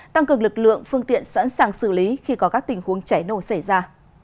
tăng cường lực lượng phương tiện sẵn sàng xử lý khi có các tình huống cháy nổ xảy ra